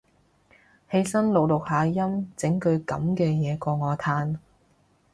起身錄錄下音整句噉嘅嘢過我嘆